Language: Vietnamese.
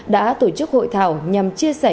đã tổ chức hội thảo nhằm chia sẻ